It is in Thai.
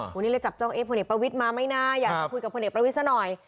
วันนี้เลยจับจ้องเอ๊ะพ่อเนกประวิทมาไม่น่าอยากพูดกับพ่อเนกประวิทซะหน่อย